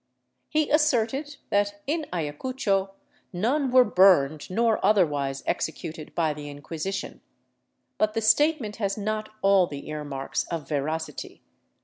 He asserted that in Ayacucho none| were burned nor otherwise executed by the Inquisition. But the statement has not all the earmarks of veracity.